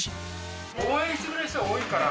応援してくれる人が多いから。